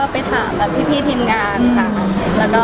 ไปถามแบบพี่ทีมงานค่ะ